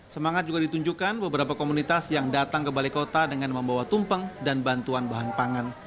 semangat juga ditunjukkan beberapa komunitas yang datang ke balai kota dengan membawa tumpeng dan bantuan bahan pangan